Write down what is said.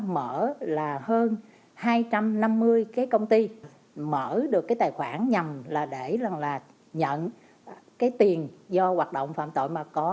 mở là hơn hai trăm năm mươi cái công ty mở được cái tài khoản nhằm là để là nhận cái tiền do hoạt động phạm tội mà có